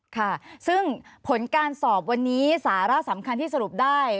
ค่ะซึ่งผลการสอบวันนี้สาระสำคัญที่สรุปได้